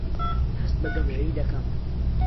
هەست بە گەمژەیی دەکەم.